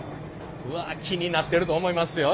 うわ気になってると思いますよ